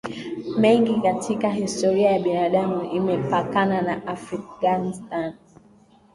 mengi katika historia ya binadamu Imepakana na Afghanistan